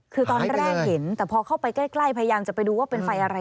คือตอนแรกเห็นแต่พอเข้าไปใกล้พยายามจะไปดูว่าเป็นไฟอะไร